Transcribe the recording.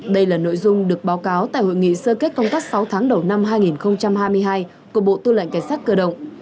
đây là nội dung được báo cáo tại hội nghị sơ kết công tác sáu tháng đầu năm hai nghìn hai mươi hai của bộ tư lệnh cảnh sát cơ động